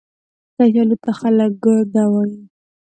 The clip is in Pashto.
کچالو ته خلک ګرده وايي